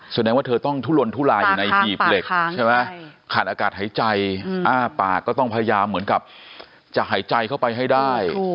แสดงว่าเธอต้องทุลนทุลายอยู่ในหีบเหล็กใช่ไหมขาดอากาศหายใจอ้าปากก็ต้องพยายามเหมือนกับจะหายใจเข้าไปให้ได้